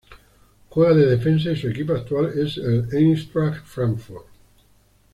Juega de defensa y su equipo actual es el Eintracht Frankfurt.